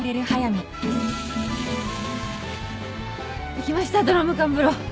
できましたドラム缶風呂。